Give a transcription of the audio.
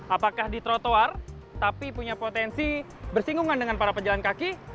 apakah di trotoar tapi punya potensi bersinggungan dengan para pejalan kaki